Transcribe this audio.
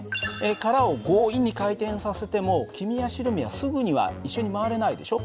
殻を強引に回転させても黄身や白身はすぐには一緒に回れないでしょ。